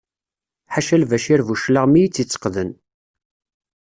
Ḥaca Lbacir Buclaɣem i yi-tt-yetteqden.